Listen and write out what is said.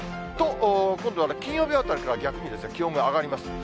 と、今度は金曜日あたりから逆に気温が上がります。